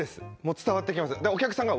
伝わっていきます。